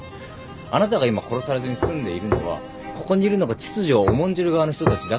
あなたが今殺されずに済んでいるのはここにいるのが秩序を重んじる側の人たちだからです。